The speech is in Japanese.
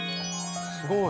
すごい！